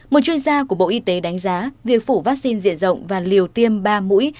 một chuyên gia của bộ y tế đánh giá việc phủ vaccine diện rộng và liều tiêm ba mũi